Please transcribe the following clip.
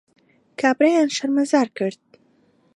کابرایان شەرمەزار کرد